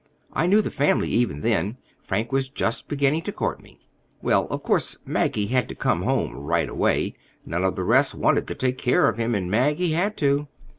I knew the family even then. Frank was just beginning to court me. "Well, of course Maggie had to come home right away. None of the rest wanted to take care of him and Maggie had to.